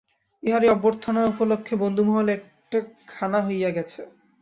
ইহারই অভ্যর্থনা উপলক্ষে বন্ধুমহলে একটা খানা হইয়া গেছে।